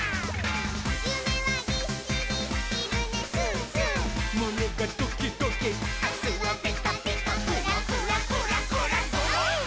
「ゆめはぎっしりひるね」「すーすー」「むねがドキドキ」「あすはピカピカ」「クラクラクラクラドロン！」